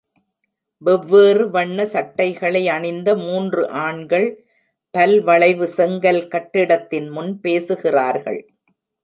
வெவ்வேறு வண்ண சட்டைகளை அணிந்த மூன்று ஆண்கள் பல்வளைவு செங்கல் கட்டிடத்தின் முன் பேசுகிறார்கள்